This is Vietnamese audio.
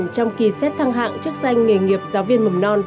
trong kỳ xét thăng hạng chức danh nghề nghiệp giáo viên mầm non